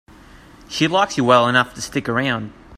She likes you well enough to stick around.